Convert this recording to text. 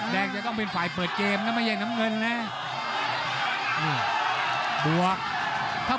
แดงจะต้องเป็นฝ่ายเปิดเกมนะไม่ใช่น้ำเงินนะบวก